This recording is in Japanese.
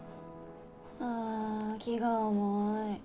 あ気が重い。